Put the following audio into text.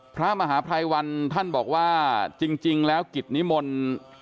พระมหาภัยวันท่านบอกว่าจริงแล้วกิจนิมนต์